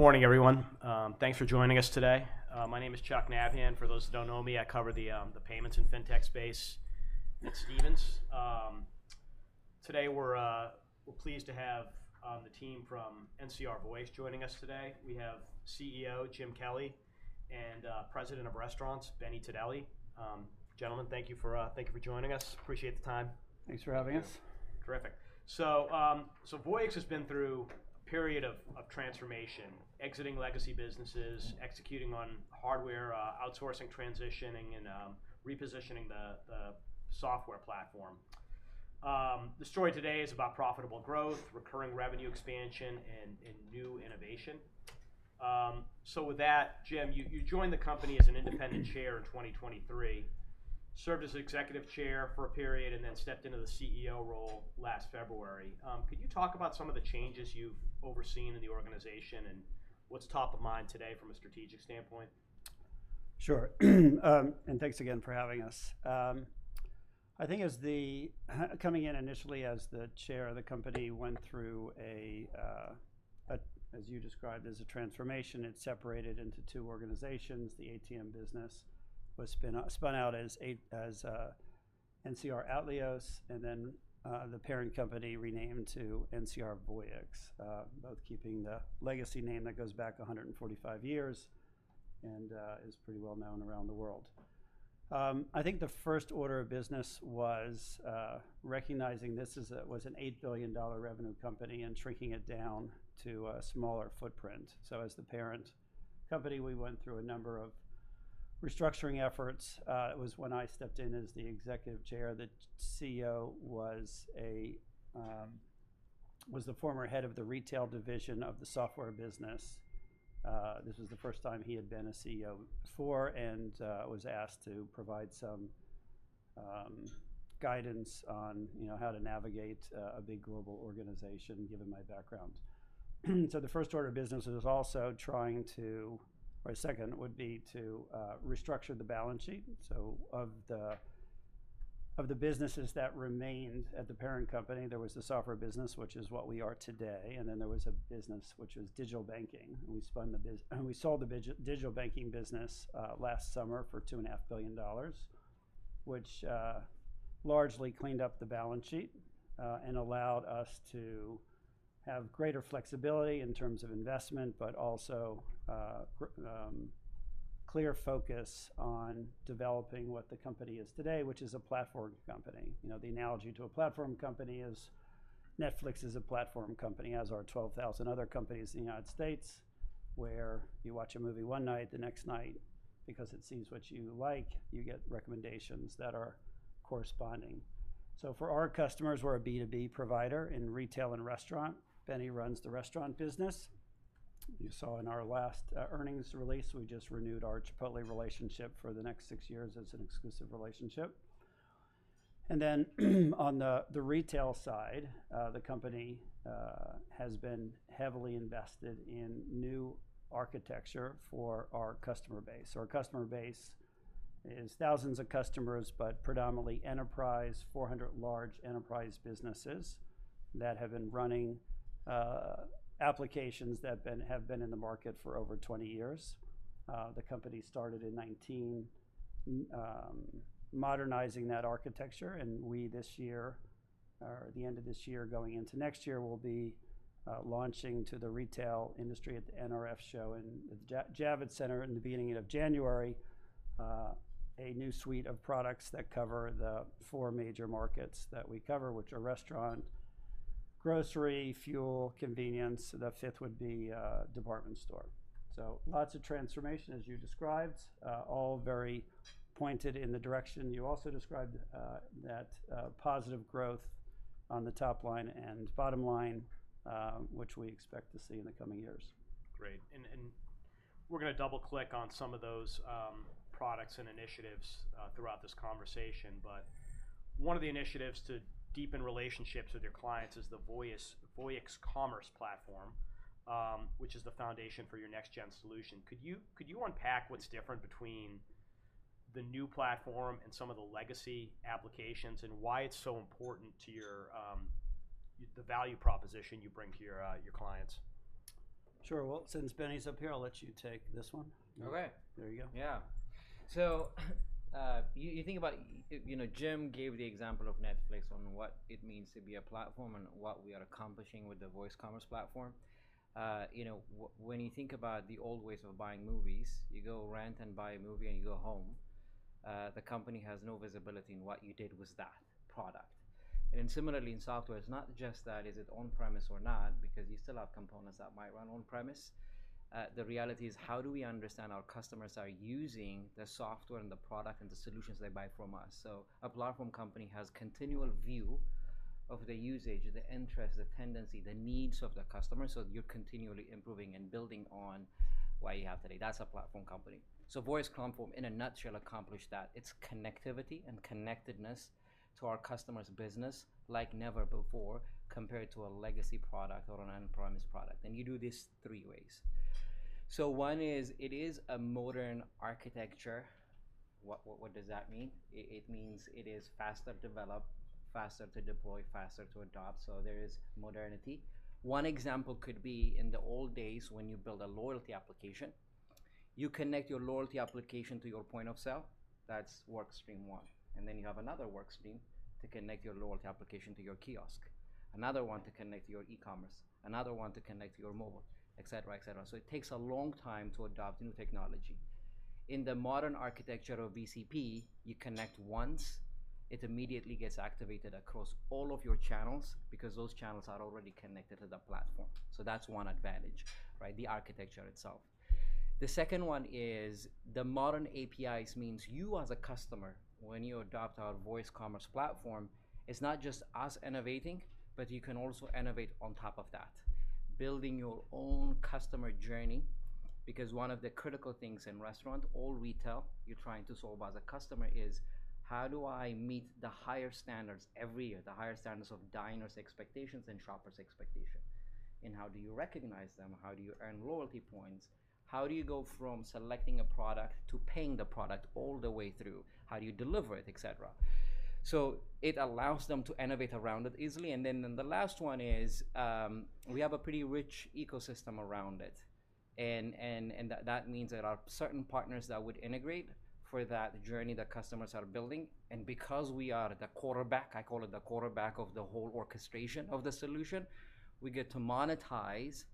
Good morning, everyone. Thanks for joining us today. My name is Chuck Nabhan. For those that don't know me, I cover the payments and fintech space at Stephens. Today we're pleased to have the team from NCR Voyix joining us today. We have CEO Jim Kelly and President of Restaurants Benny Tadele. Gentlemen, thank you for joining us. Appreciate the time. Thanks for having us. Terrific. So Voyix has been through a period of transformation, exiting legacy businesses, executing on hardware, outsourcing, transitioning, and repositioning the software platform. The story today is about profitable growth, recurring revenue expansion, and new innovation. So with that, Jim, you joined the company as an independent chair in 2023, served as executive chair for a period, and then stepped into the CEO role last February. Could you talk about some of the changes you've overseen in the organization and what's top of mind today from a strategic standpoint? Sure. And thanks again for having us. I think coming in initially as the chair of the company went through, as you described, a transformation. It separated into two organizations. The ATM business was spun out as NCR Atleos, and then the parent company renamed to NCR Voyix, both keeping the legacy name that goes back 145 years and is pretty well known around the world. I think the first order of business was recognizing this was an $8 billion revenue company and shrinking it down to a smaller footprint. So as the parent company, we went through a number of restructuring efforts. It was when I stepped in as the executive chair that CEO was the former head of the retail division of the software business. This was the first time he had been a CEO before and was asked to provide some guidance on how to navigate a big global organization given my background. The first order of business was also trying to, or second would be to restructure the balance sheet. Of the businesses that remained at the parent company, there was the software business, which is what we are today, and then there was a business which was digital banking. We sold the digital banking business last summer for $2.5 billion, which largely cleaned up the balance sheet and allowed us to have greater flexibility in terms of investment, but also clear focus on developing what the company is today, which is a platform company. The analogy to a platform company is Netflix is a platform company, as are 12,000 other companies in the United States, where you watch a movie one night, the next night, because it seems what you like, you get recommendations that are corresponding. So for our customers, we're a B2B provider in retail and restaurant. Benny runs the restaurant business. You saw in our last earnings release, we just renewed our Chipotle Relationship for the next six years. It's an exclusive relationship. And then on the retail side, the company has been heavily invested in new architecture for our customer base. So our customer base is thousands of customers, but predominantly enterprise, 400 large enterprise businesses that have been running applications that have been in the market for over 20 years. The company started in 19 modernizing that architecture, and we this year, or the end of this year, going into next year, will be launching to the retail industry at the NRF show in the Javits Center in the beginning of January, a new suite of products that cover the four major markets that we cover, which are restaurant, grocery, fuel, convenience. The fifth would be department store. Lots of transformation, as you described, all very pointed in the direction you also described, that positive growth on the top line and bottom line, which we expect to see in the coming years. Great. And we're going to double-click on some of those products and initiatives throughout this conversation. But one of the initiatives to deepen relationships with your clients is the Voyix Commerce Platform, which is the foundation for your next-gen solution. Could you unpack what's different between the new platform and some of the legacy applications and why it's so important to the value proposition you bring to your clients? Sure. Well, since Benny's up here, I'll let you take this one. Okay. There you go. Yeah. You think about Jim gave the example of Netflix on what it means to be a platform and what we are accomplishing with the Voyix Commerce Platform. When you think about the old ways of buying movies, you go rent and buy a movie and you go home, the company has no visibility in what you did with that product. Then similarly in software, it's not just that is it on-premise or not, because you still have components that might run on-premise. The reality is how do we understand our customers are using the software and the product and the solutions they buy from us. A platform company has a continual view of the usage, the interest, the tendency, the needs of the customer. You're continually improving and building on what you have today. That's a platform company. So Voyix Commerce, in a nutshell, accomplished that. It's connectivity and connectedness to our customer's business like never before compared to a legacy product or an on-premise product. And you do this three ways. So one is it is a modern architecture. What does that mean? It means it is faster to develop, faster to deploy, faster to adopt. So there is modernity. One example could be in the old days when you build a loyalty application, you connect your loyalty application to your point of sale. That's work stream one. And then you have another work stream to connect your loyalty application to your kiosk, another one to connect to your e-commerce, another one to connect to your mobile, et cetera, et cetera. So it takes a long time to adopt new technology. In the modern architecture of VCP, you connect once, it immediately gets activated across all of your channels because those channels are already connected to the platform. So that's one advantage, right? The architecture itself. The second one is the modern APIs means you as a customer, when you adopt our Voyix Commerce Platform, it's not just us innovating, but you can also innovate on top of that, building your own customer journey. Because one of the critical things in restaurant, all retail, you're trying to solve as a customer is how do I meet the higher standards every year, the higher standards of diners' expectations and shoppers' expectations? And how do you recognize them? How do you earn loyalty points? How do you go from selecting a product to paying the product all the way through? How do you deliver it, et cetera? So it allows them to innovate around it easily. And then the last one is we have a pretty rich ecosystem around it. And that means there are certain partners that would integrate for that journey that customers are building. And because we are the quarterback, I call it the quarterback of the whole orchestration of the solution, we get to monetize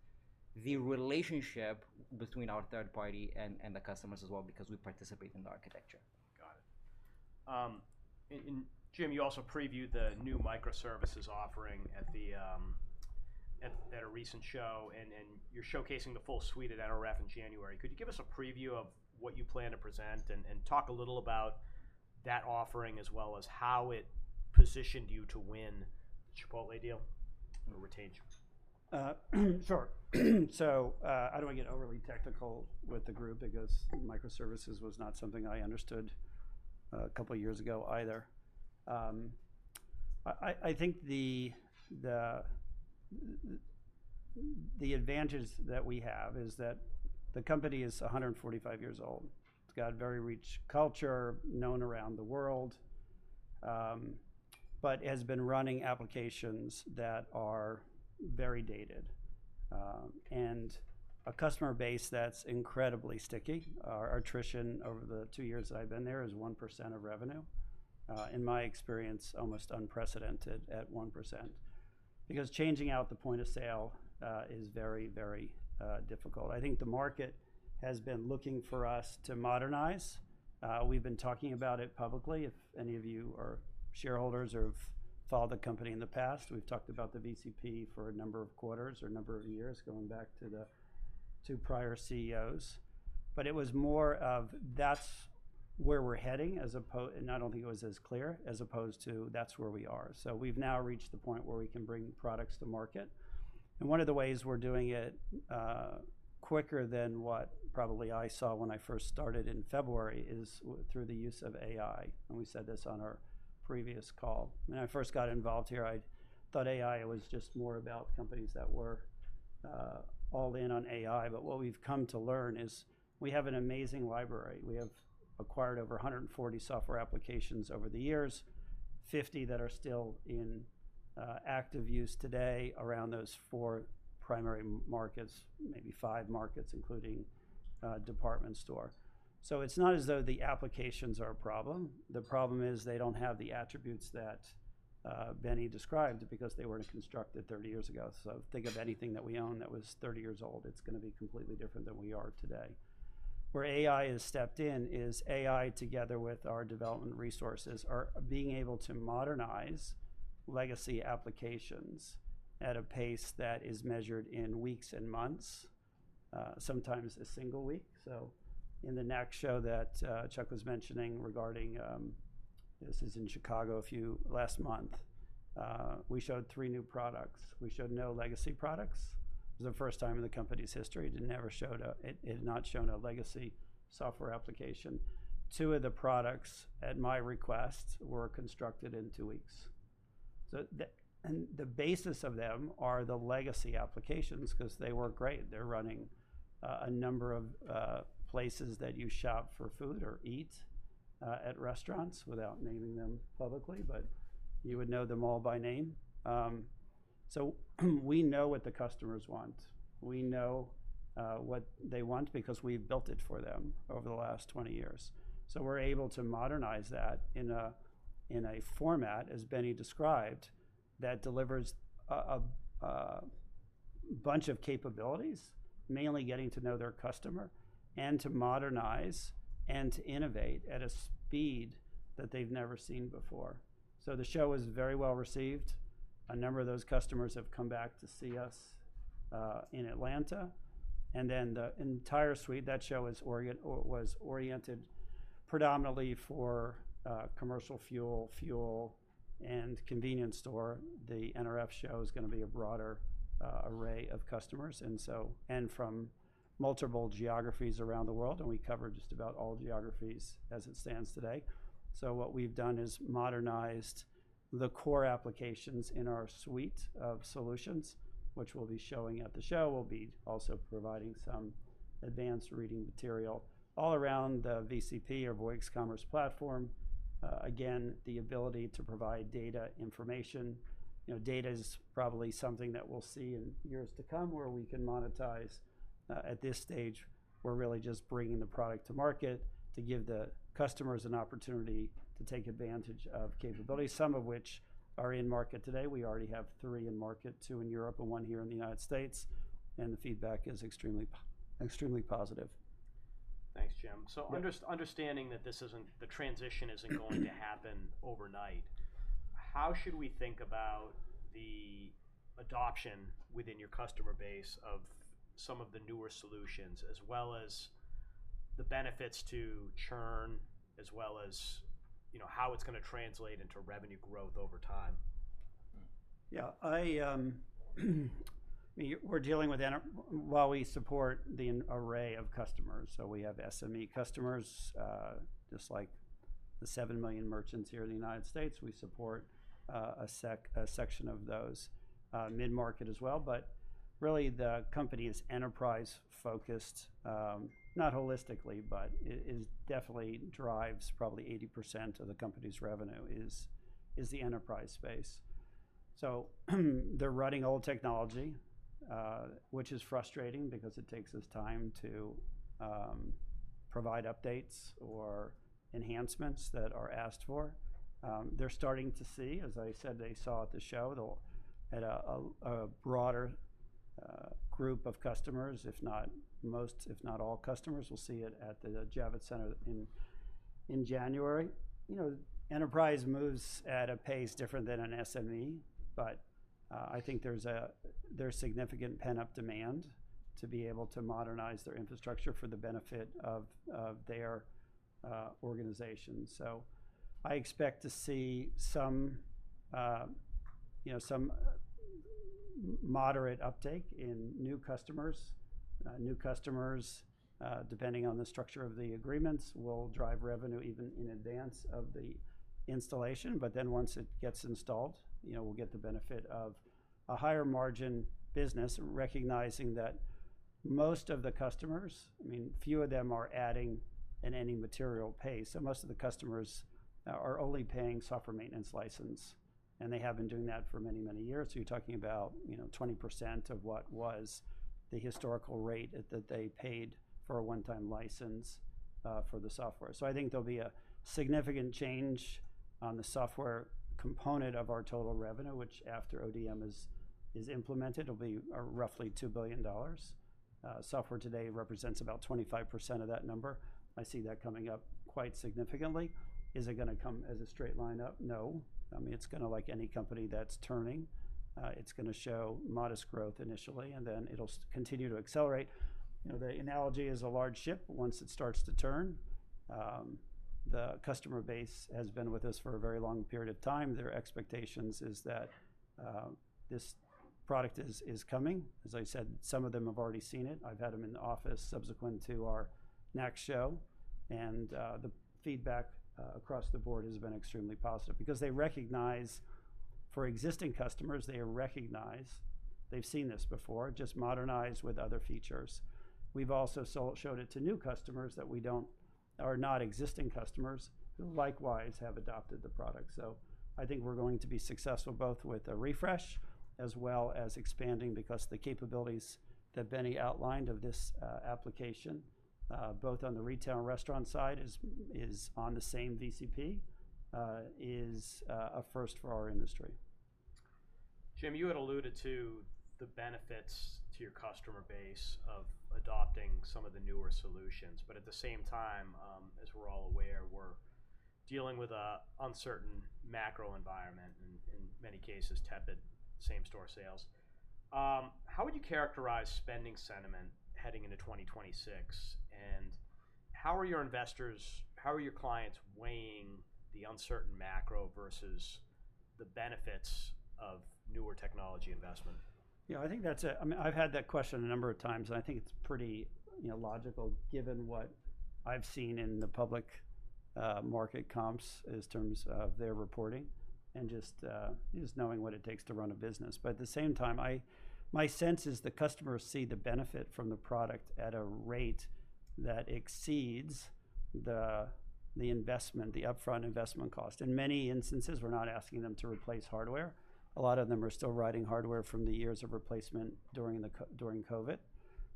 the relationship between our third party and the customers as well because we participate in the architecture. Got it. And Jim, you also previewed the new microservices offering at a recent show, and you're showcasing the full suite at NRF in January. Could you give us a preview of what you plan to present and talk a little about that offering as well as how it positioned you to win the Chipotle deal or retain? Sure. So I don't want to get overly technical with the group because microservices was not something I understood a couple of years ago either. I think the advantage that we have is that the company is 145 years old. It's got a very rich culture, known around the world, but has been running applications that are very dated. And a customer base that's incredibly sticky. Our attrition over the two years that I've been there is 1% of revenue. In my experience, almost unprecedented at 1% because changing out the point of sale is very, very difficult. I think the market has been looking for us to modernize. We've been talking about it publicly. If any of you are shareholders or have followed the company in the past, we've talked about the VCP for a number of quarters or a number of years going back to the two prior CEOs. But it was more of that's where we're heading, and I don't think it was as clear, as opposed to that's where we are. So we've now reached the point where we can bring products to market. And one of the ways we're doing it quicker than what probably I saw when I first started in February is through the use of AI. And we said this on our previous call. When I first got involved here, I thought AI was just more about companies that were all in on AI. But what we've come to learn is we have an amazing library. We have acquired over 140 software applications over the years, 50 that are still in active use today around those four primary markets, maybe five markets, including department store. So it's not as though the applications are a problem. The problem is they don't have the attributes that Benny described because they were constructed 30 years ago. So think of anything that we own that was 30 years old. It's going to be completely different than we are today. Where AI has stepped in is AI together with our development resources are being able to modernize legacy applications at a pace that is measured in weeks and months, sometimes a single week. So in the next show that Chuck was mentioning regarding this is in Chicago last month, we showed three new products. We showed no legacy products. It was the first time in the company's history it had never showed a legacy software application. Two of the products at my request were constructed in two weeks. And the basis of them are the legacy applications because they work great. They're running a number of places that you shop for food or eat at restaurants without naming them publicly, but you would know them all by name. So we know what the customers want. We know what they want because we've built it for them over the last 20 years. So we're able to modernize that in a format, as Benny described, that delivers a bunch of capabilities, mainly getting to know their customer and to modernize and to innovate at a speed that they've never seen before. So the show was very well received. A number of those customers have come back to see us in Atlanta. The entire suite, that show was oriented predominantly for commercial fuel, fuel, and convenience store. The NRF show is going to be a broader array of customers and from multiple geographies around the world, and we cover just about all geographies as it stands today. So what we've done is modernized the core applications in our suite of solutions, which we'll be showing at the show. We'll be also providing some advanced reading material all around the VCP or Voyix Commerce Platform. Again, the ability to provide data information. Data is probably something that we'll see in years to come where we can monetize. At this stage, we're really just bringing the product to market to give the customers an opportunity to take advantage of capabilities, some of which are in market today. We already have three in market, two in Europe and one here in the United States. And the feedback is extremely positive. Thanks, Jim. So understanding that the transition isn't going to happen overnight, how should we think about the adoption within your customer base of some of the newer solutions, as well as the benefits to churn, as well as how it's going to translate into revenue growth over time? Yeah. We're dealing with while we support the array of customers. So we have SME customers, just like the 7 million merchants here in the United States. We support a section of those mid-market as well. But really, the company is enterprise-focused, not holistically, but definitely drives probably 80% of the company's revenue is the enterprise space. So they're running old technology, which is frustrating because it takes us time to provide updates or enhancements that are asked for. They're starting to see, as I said, they saw at the show, a broader group of customers, if not most, if not all customers will see it at the Javits Center in January. Enterprise moves at a pace different than an SME, but I think there's significant pent-up demand to be able to modernize their infrastructure for the benefit of their organization. So I expect to see some moderate uptake in new customers. New customers, depending on the structure of the agreements, will drive revenue even in advance of the installation. But then once it gets installed, we'll get the benefit of a higher margin business, recognizing that most of the customers, I mean, few of them are adding at any material pace. So most of the customers are only paying software maintenance license, and they have been doing that for many, many years. So you're talking about 20% of what was the historical rate that they paid for a one-time license for the software. So I think there'll be a significant change on the software component of our total revenue, which after ODM is implemented, it'll be roughly $2 billion. Software today represents about 25% of that number. I see that coming up quite significantly. Is it going to come as a straight line up? No. I mean, it's going to like any company that's turning. It's going to show modest growth initially, and then it'll continue to accelerate. The analogy is a large ship. Once it starts to turn, the customer base has been with us for a very long period of time. Their expectations is that this product is coming. As I said, some of them have already seen it. I've had them in the office subsequent to our next show. And the feedback across the board has been extremely positive because they recognize for existing customers, they recognize they've seen this before, just modernized with other features. We've also showed it to new customers that we don't are not existing customers who likewise have adopted the product. So I think we're going to be successful both with a refresh as well as expanding because the capabilities that Benny outlined of this application, both on the retail and restaurant side, is on the same VCP, is a first for our industry. Jim, you had alluded to the benefits to your customer base of adopting some of the newer solutions. But at the same time, as we're all aware, we're dealing with an uncertain macro environment, in many cases, tepid, same store sales. How would you characterize spending sentiment heading into 2026? And how are your investors, how are your clients weighing the uncertain macro versus the benefits of newer technology investment? Yeah, I think that's a I mean, I've had that question a number of times, and I think it's pretty logical given what I've seen in the public market comps as terms of their reporting and just knowing what it takes to run a business. But at the same time, my sense is the customers see the benefit from the product at a rate that exceeds the investment, the upfront investment cost. In many instances, we're not asking them to replace hardware. A lot of them are still riding hardware from the years of replacement during COVID.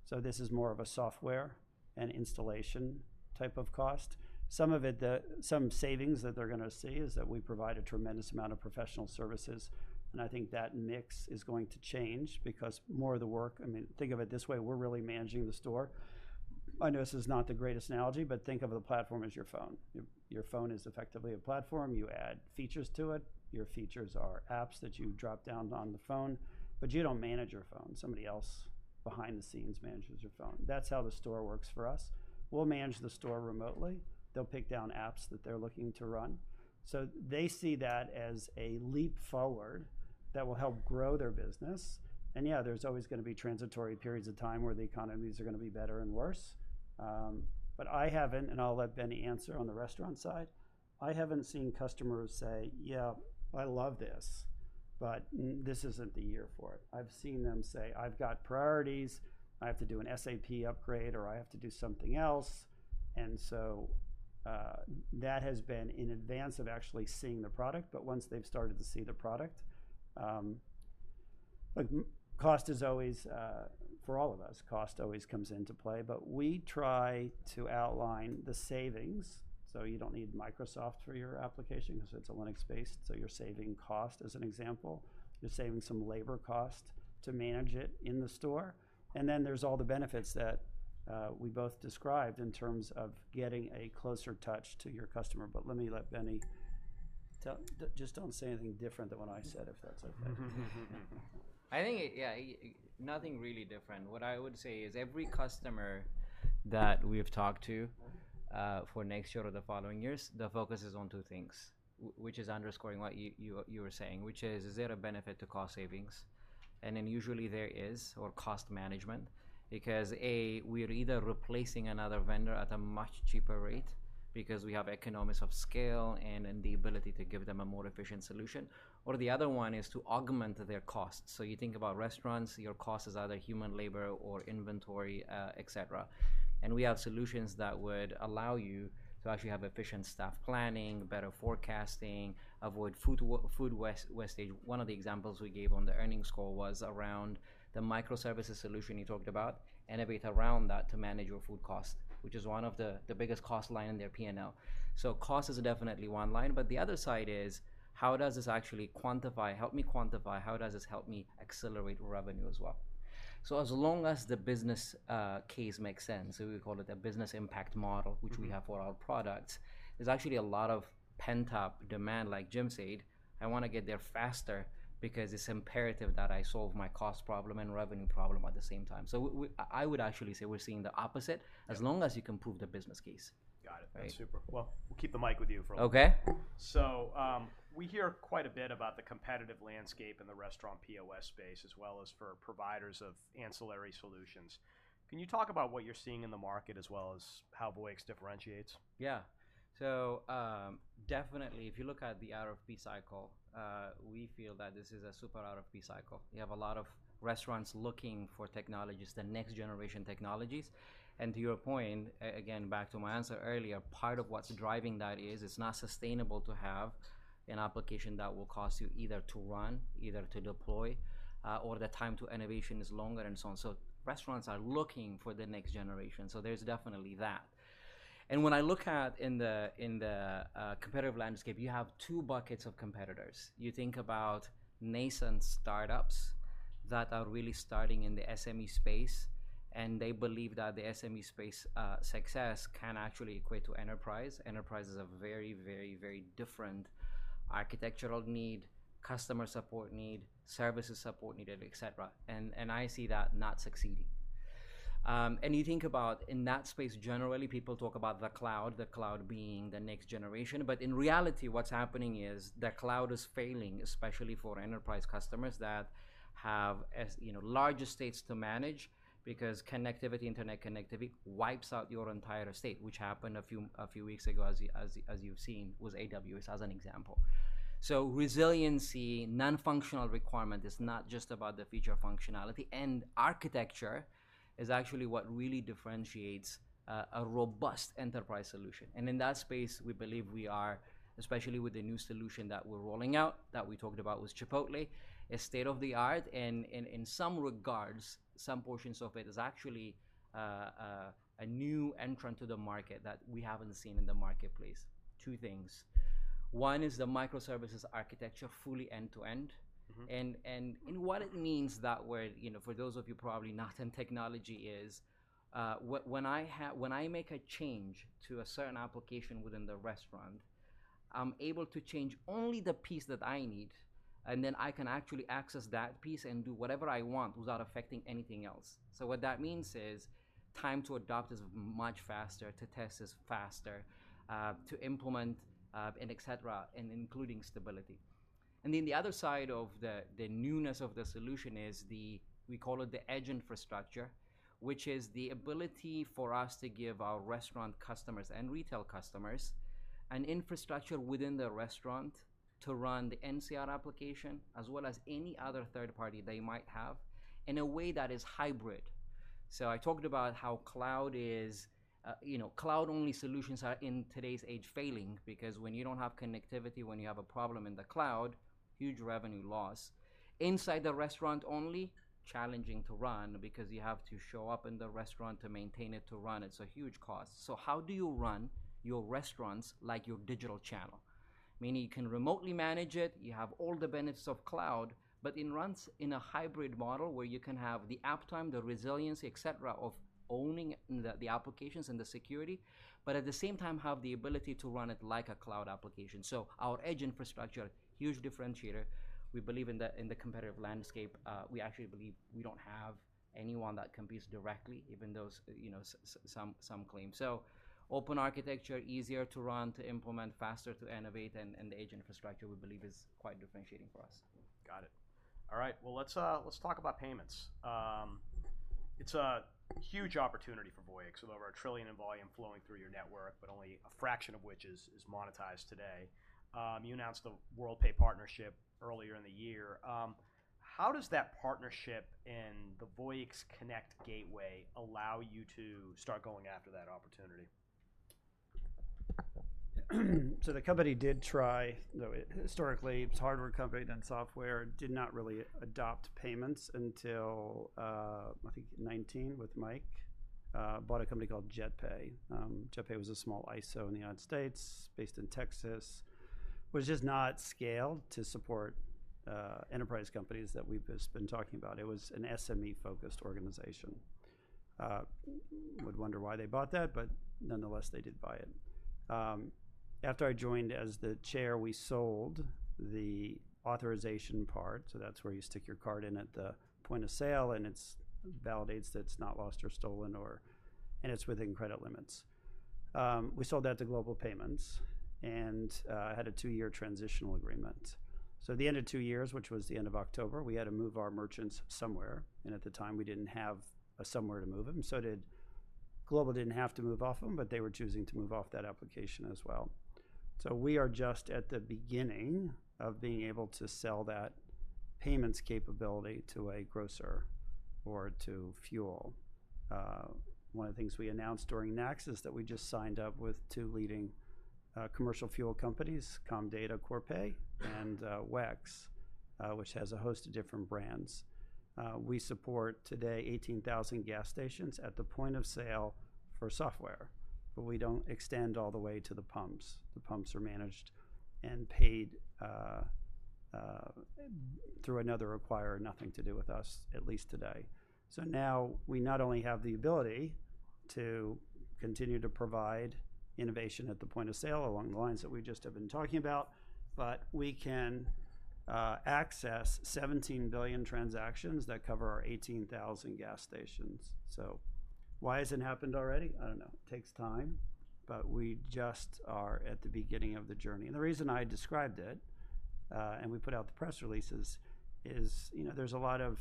So this is more of a software and installation type of cost. Some of it, some savings that they're going to see is that we provide a tremendous amount of professional services. And I think that mix is going to change because more of the work, I mean, think of it this way. We're really managing the store. I know this is not the greatest analogy, but think of the platform as your phone. Your phone is effectively a platform. You add features to it. Your features are apps that you drop down on the phone, but you don't manage your phone. Somebody else behind the scenes manages your phone. That's how the store works for us. We'll manage the store remotely. They'll pick down apps that they're looking to run. So they see that as a leap forward that will help grow their business. And yeah, there's always going to be transitory periods of time where the economies are going to be better and worse. But I haven't, and I'll let Benny answer on the restaurant side. I haven't seen customers say, "Yeah, I love this, but this isn't the year for it." I've seen them say, "I've got priorities. I have to do an SAP upgrade or I have to do something else." And so that has been in advance of actually seeing the product. But once they've started to see the product, cost is always, for all of us, cost always comes into play. But we try to outline the savings. So you don't need Microsoft for your application because it's a Linux-based. So you're saving cost, as an example. You're saving some labor cost to manage it in the store. And then there's all the benefits that we both described in terms of getting a closer touch to your customer. But let me let Benny just don't say anything different than what I said, if that's okay. I think, yeah, nothing really different. What I would say is every customer that we've talked to for next year or the following years, the focus is on two things, which is underscoring what you were saying, which is, is there a benefit to cost savings? And then usually there is, or cost management, because A, we're either replacing another vendor at a much cheaper rate because we have economics of scale and the ability to give them a more efficient solution. Or the other one is to augment their costs. So you think about restaurants, your cost is either human labor or inventory, etc. And we have solutions that would allow you to actually have efficient staff planning, better forecasting, avoid food wastage. One of the examples we gave on the earnings score was around the microservices solution you talked about, and everything around that to manage your food cost, which is one of the biggest cost lines in their P&L. So cost is definitely one line. But the other side is, how does this actually quantify? Help me quantify how does this help me accelerate revenue as well? So as long as the business case makes sense, so we call it a business impact model, which we have for our products, there's actually a lot of pent-up demand, like Jim said, I want to get there faster because it's imperative that I solve my cost problem and revenue problem at the same time. So I would actually say we're seeing the opposite as long as you can prove the business case. Got it. That's super. Well, we'll keep the mic with you for a little bit. Okay. So we hear quite a bit about the competitive landscape in the restaurant POS space, as well as for providers of ancillary solutions. Can you talk about what you're seeing in the market, as well as how Voyix differentiates? Yeah. So definitely, if you look at the RFP cycle, we feel that this is a super RFP cycle. You have a lot of restaurants looking for technologies, the next generation technologies. And to your point, again, back to my answer earlier, part of what's driving that is it's not sustainable to have an application that will cost you either to run, either to deploy, or the time to innovation is longer and so on. So restaurants are looking for the next generation. So there's definitely that. And when I look at in the competitive landscape, you have two buckets of competitors. You think about nascent startups that are really starting in the SME space, and they believe that the SME space success can actually equate to enterprise. Enterprise is a very, very, very different architectural need, customer support need, services support need, etc. And I see that not succeeding. And you think about in that space, generally, people talk about the cloud, the cloud being the next generation. But in reality, what's happening is the cloud is failing, especially for enterprise customers that have larger states to manage because connectivity, internet connectivity wipes out your entire state, which happened a few weeks ago, as you've seen, was AWS as an example. So resiliency, non-functional requirement is not just about the feature functionality. And architecture is actually what really differentiates a robust enterprise solution. And in that space, we believe we are, especially with the new solution that we're rolling out that we talked about with Chipotle, is state of the art. And in some regards, some portions of it is actually a new entrant to the market that we haven't seen in the marketplace. Two things. One is the microservices architecture fully end-to-end. And what it means that for those of you probably not in technology is when I make a change to a certain application within the restaurant, I'm able to change only the piece that I need, and then I can actually access that piece and do whatever I want without affecting anything else. So what that means is time to adopt is much faster, to test is faster, to implement, and etc., and including stability. And then the other side of the newness of the solution is the, we call it the edge infrastructure, which is the ability for us to give our restaurant customers and retail customers an infrastructure within the restaurant to run the NCR application, as well as any other third party they might have, in a way that is hybrid. So I talked about how cloud is cloud-only solutions are in today's age failing because when you don't have connectivity, when you have a problem in the cloud, huge revenue loss. Inside the restaurant only, challenging to run because you have to show up in the restaurant to maintain it, to run. It's a huge cost. So how do you run your restaurants like your digital channel? Meaning you can remotely manage it. You have all the benefits of cloud, but it runs in a hybrid model where you can have the uptime, the resiliency, etc., of owning the applications and the security, but at the same time have the ability to run it like a cloud application. So our edge infrastructure, huge differentiator. We believe in the competitive landscape. We actually believe we don't have anyone that competes directly, even though some claim. So open architecture, easier to run, to implement, faster to innovate. And the edge infrastructure, we believe, is quite differentiating for us. Got it. All right. Well, let's talk about payments. It's a huge opportunity for Voyix. Over a trillion in volume flowing through your network, but only a fraction of which is monetized today. You announced the WorldPay partnership earlier in the year. How does that partnership and the Voyix Connect gateway allow you to start going after that opportunity? So the company did try. Historically, it was hardware company and then software. Did not really adopt payments until, I think, '19 with Mike, bought a company called JetPay. JetPay was a small ISO in the United States, based in Texas. Was just not scaled to support enterprise companies that we've just been talking about. It was an SME-focused organization. Would wonder why they bought that, but nonetheless, they did buy it. After I joined as the chair, we sold the authorization part. So that's where you stick your card in at the point of sale, and it validates that it's not lost or stolen, and it's within credit limits. We sold that to Global Payments, and I had a two-year transitional agreement. So at the end of two years, which was the end of October, we had to move our merchants somewhere. And at the time, we didn't have a somewhere to move them. So Global didn't have to move off of them, but they were choosing to move off that application as well. So we are just at the beginning of being able to sell that payments capability to a grocer or to fuel. One of the things we announced during Next is that we just signed up with two leading commercial fuel companies, Comdata, Corpay, and WEX, which has a host of different brands. We support today 18,000 gas stations at the point of sale for software, but we don't extend all the way to the pumps. The pumps are managed and paid through another acquirer, nothing to do with us, at least today. So now we not only have the ability to continue to provide innovation at the point of sale along the lines that we just have been talking about, but we can access 17 billion transactions that cover our 18,000 gas stations. So why has it happened already? I don't know. It takes time, but we just are at the beginning of the journey. And the reason I described it, and we put out the press releases, is there's a lot of,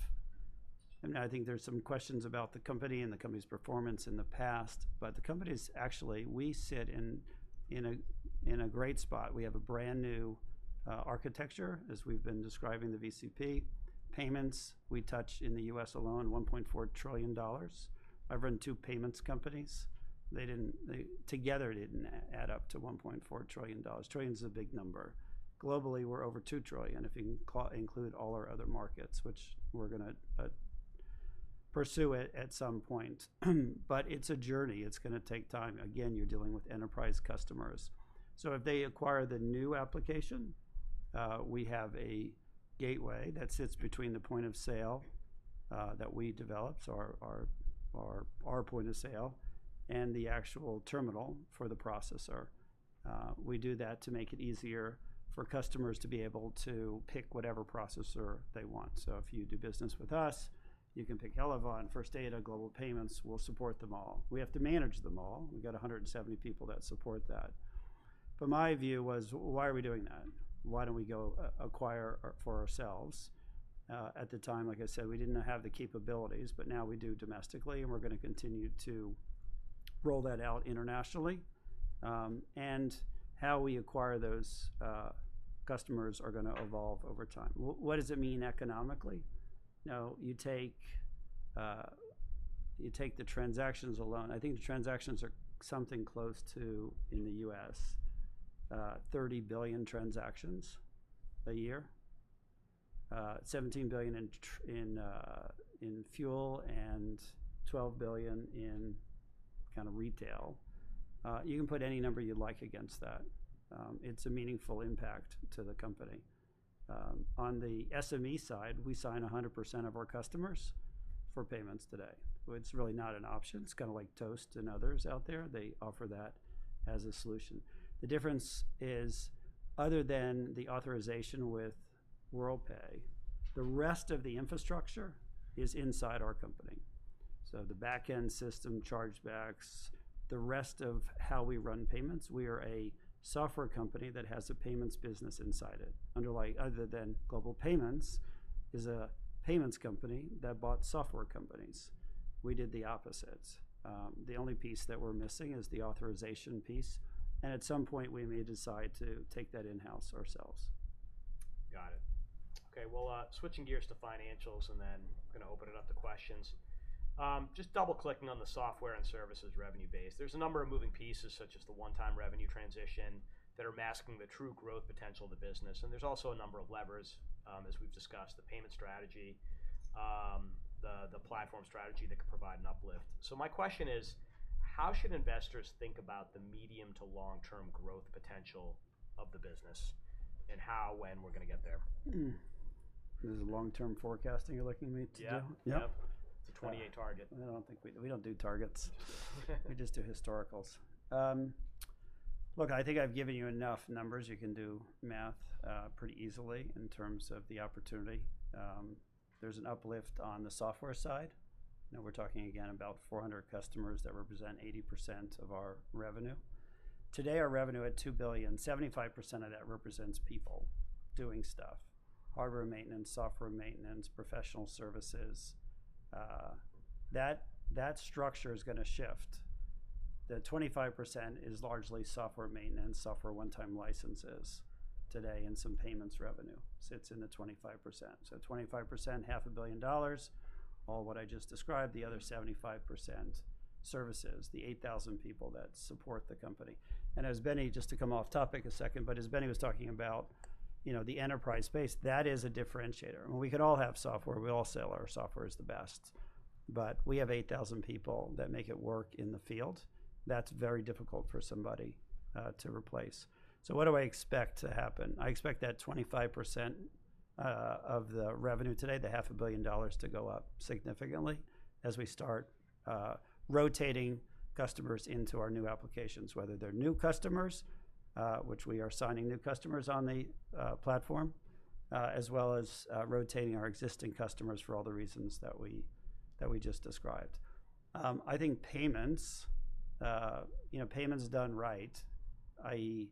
I mean, I think there's some questions about the company and the company's performance in the past, but the company is actually, we sit in a great spot. We have a brand new architecture, as we've been describing the VCP. Payments, we touch in the U.S. alone, $1.4 trillion. I run two payments companies. Together, it didn't add up to $1.4 trillion. Trillion is a big number. Globally, we're over $2 trillion, if you include all our other markets, which we're going to pursue at some point. But it's a journey. It's going to take time. Again, you're dealing with enterprise customers. So if they acquire the new application, we have a gateway that sits between the point of sale that we developed, so our point of sale, and the actual terminal for the processor. We do that to make it easier for customers to be able to pick whatever processor they want. So if you do business with us, you can pick Elavon, First Data, Global Payments. We'll support them all. We have to manage them all. We've got 170 people that support that. But my view was, why are we doing that? Why don't we go acquire for ourselves? At the time, like I said, we didn't have the capabilities, but now we do domestically, and we're going to continue to roll that out internationally. How we acquire those customers are going to evolve over time. What does it mean economically? Now, you take the transactions alone. I think the transactions are something close to, in the U.S., $30 billion transactions a year, $17 billion in fuel and $12 billion in kind of retail. You can put any number you'd like against that. It's a meaningful impact to the company. On the SME side, we sign 100% of our customers for payments today. It's really not an option. It's kind of like Toast and others out there. They offer that as a solution. The difference is, other than the authorization with Worldpay, the rest of the infrastructure is inside our company. So the backend system, chargebacks, the rest of how we run payments, we are a software company that has a payments business inside it. Other than Global Payments is a payments company that bought software companies. We did the opposite. The only piece that we're missing is the authorization piece. And at some point, we may decide to take that in-house ourselves. Got it. Okay. Well, switching gears to financials, and then I'm going to open it up to questions. Just double-clicking on the software and services revenue base. There's a number of moving pieces, such as the one-time revenue transition, that are masking the true growth potential of the business. And there's also a number of levers, as we've discussed, the payment strategy, the platform strategy that could provide an uplift. So my question is, how should investors think about the medium to long-term growth potential of the business, and how, when, we're going to get there? Is it long-term forecasting you're looking at me to do? Yeah. Yep. It's a 28 target. I don't think we don't do targets. We just do historicals. Look, I think I've given you enough numbers. You can do math pretty easily in terms of the opportunity. There's an uplift on the software side. Now, we're talking again about 400 customers that represent 80% of our revenue. Today, our revenue at $2 billion, 75% of that represents people doing stuff: hardware maintenance, software maintenance, professional services. That structure is going to shift. The 25% is largely software maintenance, software one-time licenses today, and some payments revenue sits in the 25%. So 25%, half a billion dollars, all what I just described, the other 75% services, the 8,000 people that support the company. And as Benny, just to come off topic a second, but as Benny was talking about the enterprise space, that is a differentiator. I mean, we could all have software. We all sell our software as the best. But we have 8,000 people that make it work in the field. That's very difficult for somebody to replace. So what do I expect to happen? I expect that 25% of the revenue today, the half a billion dollars, to go up significantly as we start rotating customers into our new applications, whether they're new customers, which we are signing new customers on the platform, as well as rotating our existing customers for all the reasons that we just described. I think payments, payments done right, i.e.,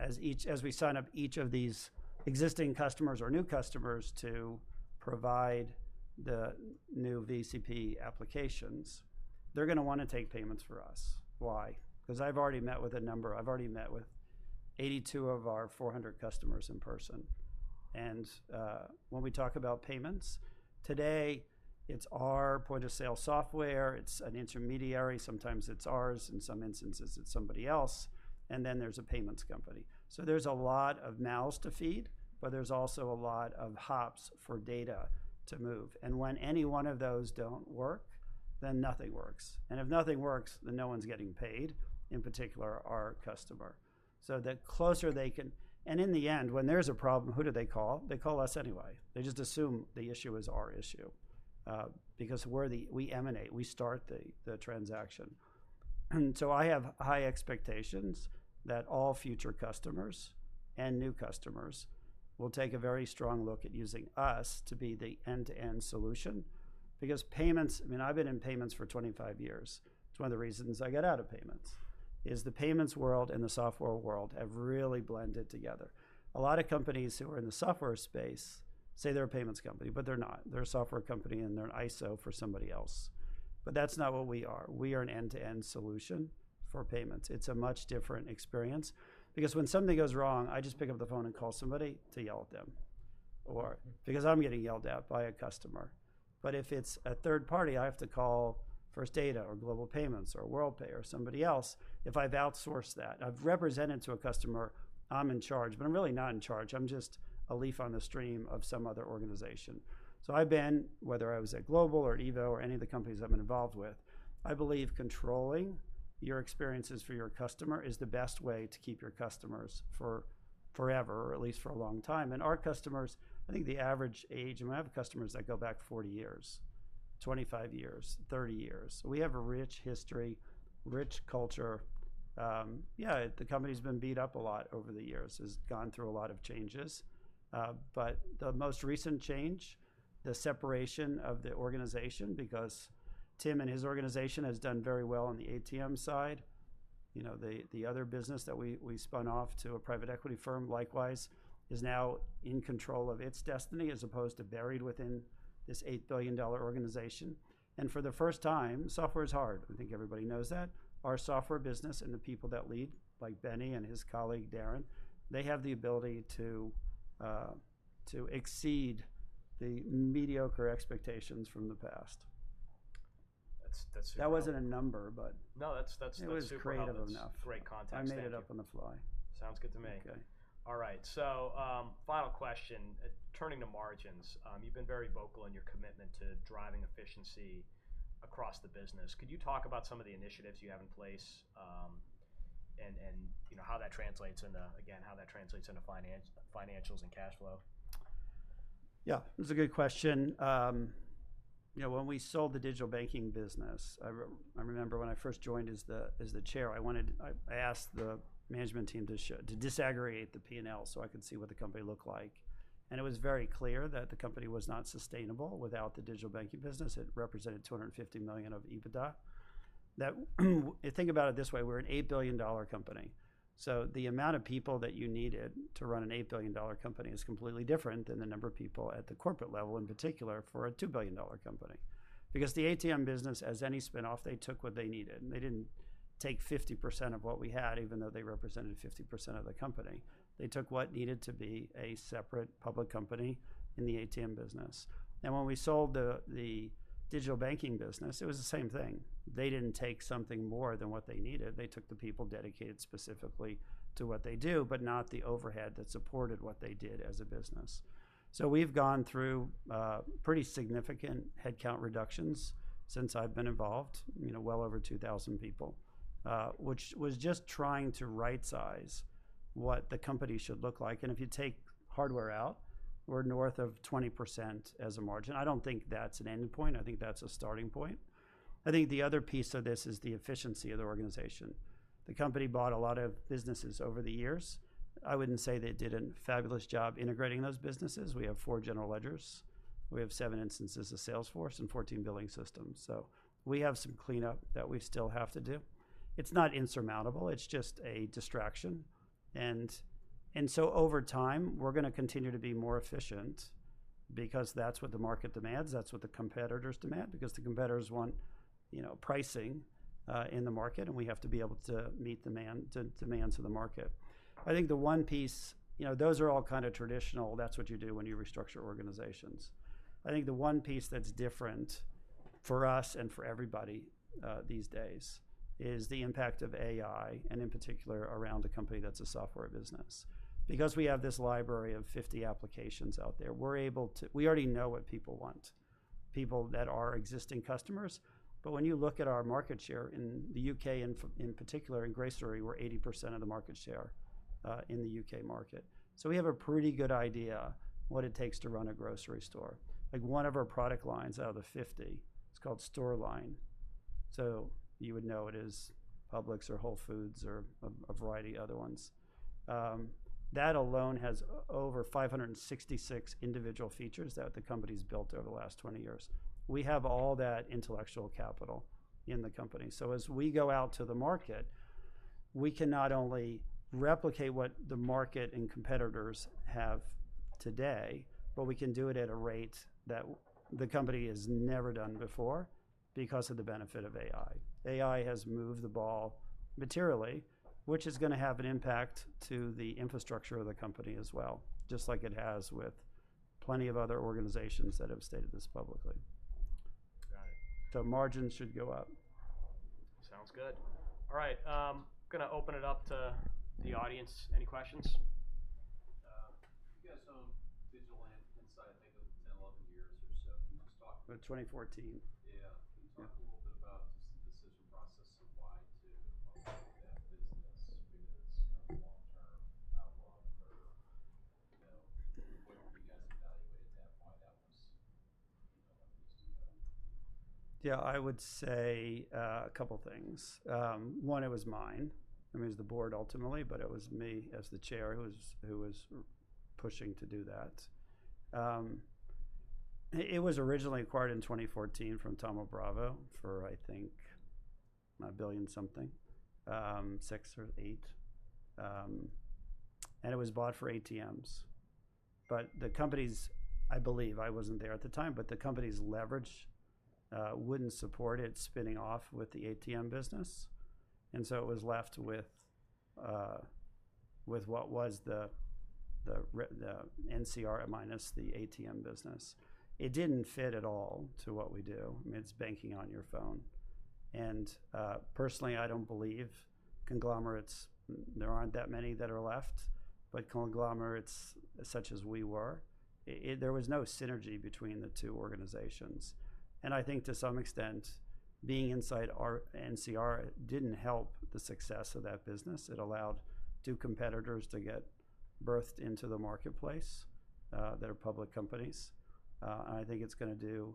as we sign up each of these existing customers or new customers to provide the new VCP applications, they're going to want to take payments for us. Why? Because I've already met with a number. I've already met with 82 of our 400 customers in person. And when we talk about payments, today, it's our point of sale software. It's an intermediary. Sometimes it's ours. In some instances, it's somebody else. And then there's a payments company. So there's a lot of mouths to feed, but there's also a lot of hops for data to move. And when any one of those don't work, then nothing works. And if nothing works, then no one's getting paid, in particular our customer. So the closer they can—and in the end, when there's a problem, who do they call? They call us anyway. They just assume the issue is our issue because we emanate, we start the transaction. And so I have high expectations that all future customers and new customers will take a very strong look at us to be the end-to-end solution because payments—I mean, I've been in payments for 25 years. It's one of the reasons I got out of payments—is the payments world and the software world have really blended together. A lot of companies who are in the software space say they're a payments company, but they're not. They're a software company, and they're an ISO for somebody else. But that's not what we are. We are an end-to-end solution for payments. It's a much different experience because when something goes wrong, I just pick up the phone and call somebody to yell at them because I'm getting yelled at by a customer. But if it's a third party, I have to call First Data or Global Payments or Worldpay or somebody else if I've outsourced that. I've represented to a customer, "I'm in charge," but I'm really not in charge. I'm just a leaf on the stream of some other organization. So I've been, whether I was at Global or EVO or any of the companies I've been involved with, I believe controlling your experiences for your customer is the best way to keep your customers forever or at least for a long time. And our customers, I think the average age—I mean, I have customers that go back 40 years, 25 years, 30 years. So we have a rich history, rich culture. Yeah, the company's been beat up a lot over the years, has gone through a lot of changes. But the most recent change, the separation of the organization because Tim and his organization has done very well on the ATM side. The other business that we spun off to a private equity firm likewise is now in control of its destiny as opposed to buried within this $8 billion organization. And for the first time, software is hard. I think everybody knows that. Our software business and the people that lead, like Benny and his colleague Darren, they have the ability to exceed the mediocre expectations from the past. That's super. That wasn't a number, but it was creative enough. No, that's super helpful. Great context. I made it up on the fly. Sounds good to me. All right. So final question, turning to margins. You've been very vocal in your commitment to driving efficiency across the business. Could you talk about some of the initiatives you have in place and how that translates into—again, how that translates into financials and cash flow? Yeah. It was a good question. When we sold the digital banking business, I remember when I first joined as the chair, I asked the management team to disaggregate the P&L so I could see what the company looked like. And it was very clear that the company was not sustainable without the digital banking business. It represented $250 million of EBITDA. Think about it this way. We're an $8 billion company. So the amount of people that you needed to run an $8 billion company is completely different than the number of people at the corporate level, in particular for a $2 billion company. Because the ATM business, as any spinoff, they took what they needed. And they didn't take 50% of what we had, even though they represented 50% of the company. They took what needed to be a separate public company in the ATM business. And when we sold the digital banking business, it was the same thing. They didn't take something more than what they needed. They took the people dedicated specifically to what they do, but not the overhead that supported what they did as a business. So we've gone through pretty significant headcount reductions since I've been involved, well over 2,000 people, which was just trying to right-size what the company should look like. And if you take hardware out, we're north of 20% as a margin. I don't think that's an end point. I think that's a starting point. I think the other piece of this is the efficiency of the organization. The company bought a lot of businesses over the years. I wouldn't say they did a fabulous job integrating those businesses. We have four general ledgers. We have seven instances of Salesforce and 14 billing systems. So we have some cleanup that we still have to do. It's not insurmountable. It's just a distraction. And so over time, we're going to continue to be more efficient because that's what the market demands. That's what the competitors demand because the competitors want pricing in the market, and we have to be able to meet demands of the market. I think the one piece, those are all kind of traditional. That's what you do when you restructure organizations. I think the one piece that's different for us and for everybody these days is the impact of AI, and in particular around a company that's a software business. Because we have this library of 50 applications out there, we already know what people want, people that are existing customers. But when you look at our market share in the U.K., in particular, in grocery, we're 80% of the market share in the U.K. market. So we have a pretty good idea of what it takes to run a grocery store. One of our product lines out of the 50, it's called StoreLine. So you would know it is Publix or Whole Foods or a variety of other ones. That alone has over 566 individual features that the company's built over the last 20 years. We have all that intellectual capital in the company. So as we go out to the market, we can not only replicate what the market and competitors have today, but we can do it at a rate that the company has never done before because of the benefit of AI. AI has moved the ball materially, which is going to have an impact to the infrastructure of the company as well, just like it has with plenty of other organizations that have stated this publicly. Got it. So margins should go up. Sounds good. All right. I'm going to open it up to the audience. Any questions? Yeah. So digital insight, I think, 10, 11 years or so. 2014. Yeah. Can you talk a little bit about just the decision process of why to upgrade that business? Because kind of long-term outlook or what you guys evaluated that, why that was a risk to go? Yeah. I would say a couple of things. One, it was mine. I mean, it was the board ultimately, but it was me as the chair who was pushing to do that. It was originally acquired in 2014 from Thoma Bravo for, I think, a billion something, six or eight. And it was bought for ATMs. But the companies, I believe I wasn't there at the time, but the company's leverage wouldn't support it spinning off with the ATM business. And so it was left with what was the NCR minus the ATM business. It didn't fit at all to what we do. I mean, it's banking on your phone. And personally, I don't believe conglomerates—there aren't that many that are left—but conglomerates such as we were, there was no synergy between the two organizations. And I think to some extent, being inside NCR didn't help the success of that business. It allowed two competitors to get birthed into the marketplace that are public companies. And I think it's going to do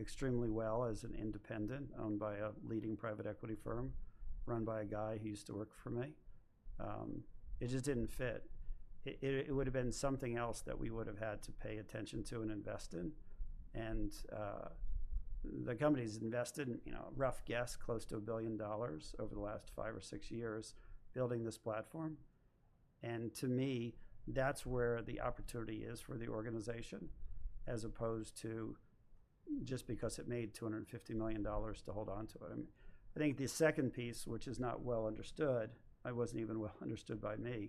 extremely well as an independent owned by a leading private equity firm run by a guy who used to work for me. It just didn't fit. It would have been something else that we would have had to pay attention to and invest in. And the company's invested, rough guess, close to a billion dollars over the last five or six years building this platform. And to me, that's where the opportunity is for the organization as opposed to just because it made $250 million to hold onto it. I think the second piece, which is not well understood, I wasn't even well understood by me.